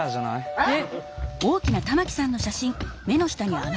えっ！？